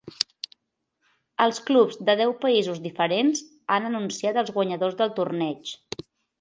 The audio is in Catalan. Els clubs de deu països diferents han anunciat els guanyadors del torneig.